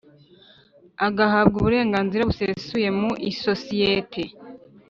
Ahabwe uburenganzira busesuye mu isosiyete